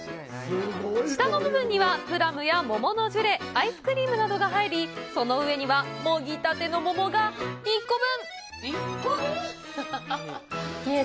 下の部分には、プラムや桃のジュレ、アイスクリームなどが入り、その上には、もぎたての桃が１個分！